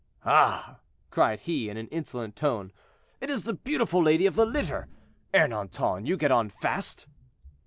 "Ah!" cried he, in an insolent tone, "it is the beautiful lady of the litter. Ernanton, you get on fast."